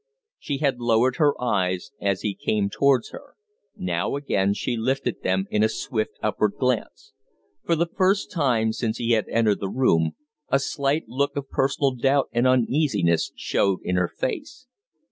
She had lowered her eyes as he came towards her; now again she lifted them in a swift, upward glance. For the first time since he had entered the room a slight look of personal doubt and uneasiness showed in her face.